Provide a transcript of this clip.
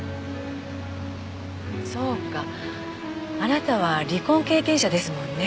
そうかあなたは離婚経験者ですものね。